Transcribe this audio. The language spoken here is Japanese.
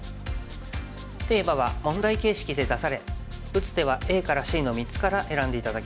テーマは問題形式で出され打つ手はＡからＣの３つから選んで頂きます。